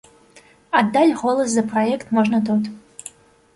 Аддаць голас за праект можна тут.